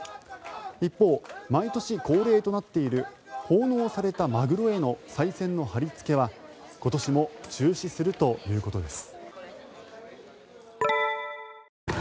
一方、毎年恒例となっている奉納されたマグロへのさい銭の貼りつけは今年も中止するということです。